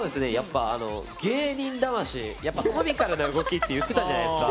芸人魂、コミカルな動きって言ってたじゃないですか。